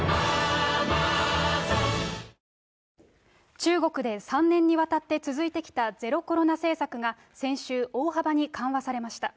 中国で３年にわたって続いてきたゼロコロナ政策が先週、大幅に緩和されました。